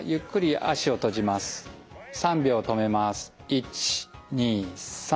１２３。